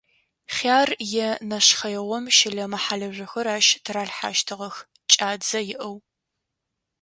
Хъяр е нэшхъэигъом щэлэмэ-хьалыжъохэр ащ тыралъхьащтыгъэх кӏадзэ иӏэу.